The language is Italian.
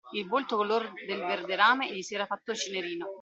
Il volto color del verderame gli si era fatto cinerino.